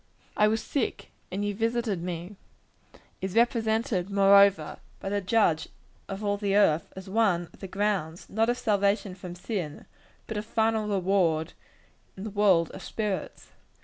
"I was sick and ye visited me," is represented, moreover, by the Judge of all the earth, as one of the grounds not of salvation from sin but of final reward in the world of spirits.